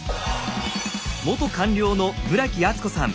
元官僚の村木厚子さん。